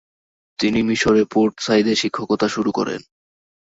তিনি মিশরের পোর্ট সাইদে শিক্ষকতা শুরু করেন।